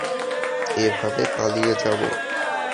এভাবে পালিয়ে যাব?